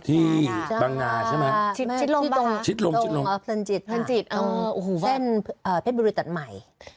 ที่บังงาใช่ไหม